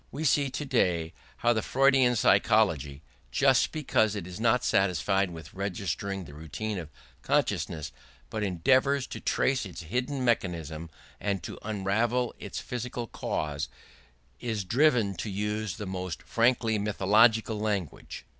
We see today how the Freudian psychology, just because it is not satisfied with registering the routine of consciousness but endeavours to trace its hidden mechanism and to unravel its physical causes, is driven to use the most frankly mythological language.